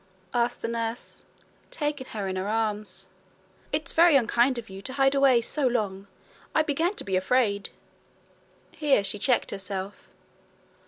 asked the nurse, taking her in her arms. 'It's very unkind of you to hide away so long. I began to be afraid ' Here she checked herself.